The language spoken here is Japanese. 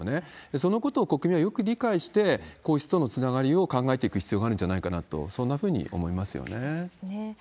そのことを国民はよく理解して、皇室とのつながりを考えていく必要があるんじゃないかなと、そんそうですね。